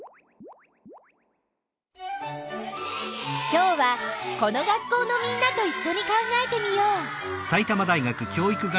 今日はこの学校のみんなといっしょに考えてみよう。